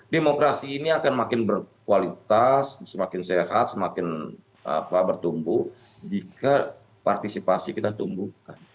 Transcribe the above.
demokrasi ini akan makin berkualitas semakin sehat semakin bertumbuh jika partisipasi kita tumbuhkan